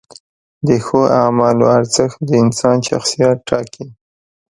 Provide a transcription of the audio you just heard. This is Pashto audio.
د ښو اعمالو ارزښت د انسان شخصیت ټاکي.